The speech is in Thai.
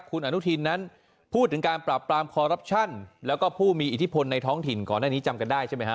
คุณอนุทินนั้นพูดถึงการปราบปรามคอรับชันแล้วก็ผู้มีอิทธิพลในท้องถิ่นก่อนหน้านี้จำกันได้ใช่ไหมฮ